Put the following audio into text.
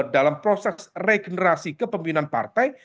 dalam proses regenerasi kepemimpinan partai